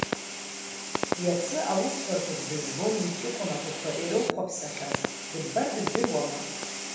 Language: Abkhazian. Иацы аусҳәарҭаҿы дызбон, зҷықәа маҭәақәа ирылахәаԥсахьаз, дыббар дыбдыруама.